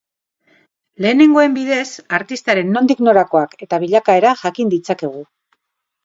Lehenengoen bidez artistaren nondik norakoak eta bilakaera jakin ditzakegu.